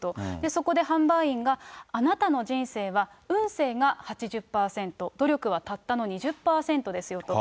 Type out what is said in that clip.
そこで販売員が、あなたの人生は運勢が８０％、努力はたったの２０％ですよと。